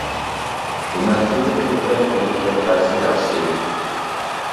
بۇ مەزگىلدە كۆپرەك بېلىق يەپ بەرسە ياخشى.